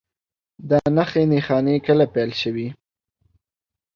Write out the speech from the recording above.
دا نښې نښانې کله پیل شوي؟